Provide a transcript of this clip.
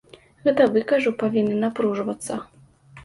Гэта вы, кажу, павінны напружвацца.